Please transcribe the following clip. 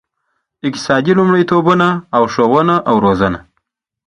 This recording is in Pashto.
اقتصادي لومړیتوبونه او ښوونه او روزنه.